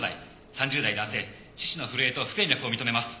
３０代男性四肢の震えと不整脈を認めます。